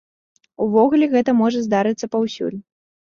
Увогуле гэта можа здарыцца паўсюль.